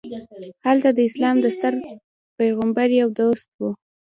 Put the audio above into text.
هلته د اسلام د ستر پیغمبر یو دوست و.